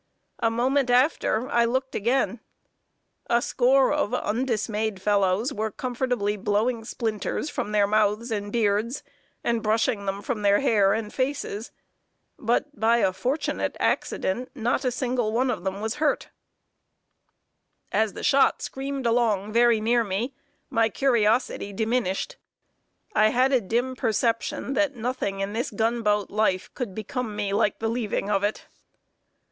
A moment after, I looked again. A score of undismayed fellows were comfortably blowing splinters from their mouths and beards, and brushing them from their hair and faces; but, by a fortunate accident, not a single one of them was hurt. [Sidenote: HOW ONE FEELS UNDER FIRE.] As the shot screamed along very near me, my curiosity diminished. I had a dim perception that nothing in this gunboat life could become me like the leaving of it.